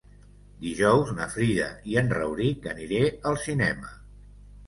Dijous na Frida i en Rauric aniré al cinema.